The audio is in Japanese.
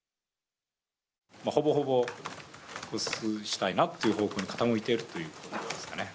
ほぼほぼ、引っ越したいなという方向に傾いているということですかね。